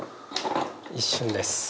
一瞬です。